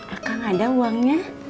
akang ada uangnya